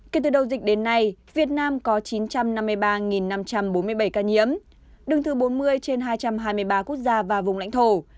kể từ đầu dịch đến nay việt nam có chín trăm năm mươi ba năm trăm bốn mươi bảy ca nhiễm đứng thứ bốn mươi trên hai trăm hai mươi ba quốc gia và vùng lãnh thổ